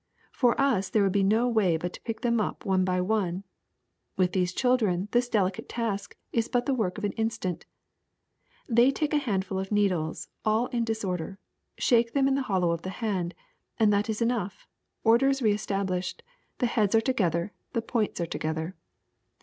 For us there would be no way but to pick them up one by one ; with these children this delicate task is but the work of an instant. They take a handful of needles all in dis order, shake them in the hollow of the hand, and that is enough; order is reestablished, the heads are to gether, the points together.